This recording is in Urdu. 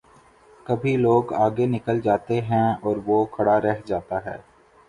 کبھی لوگ آگے نکل جاتے ہیں اور وہ کھڑا رہ جا تا ہے۔